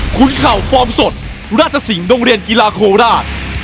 คุณเข่าฟอร์มสดราชสิงห์โรงเรียนกีฬาโคราช